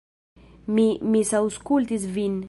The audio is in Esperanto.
Mi misaŭskultis vin.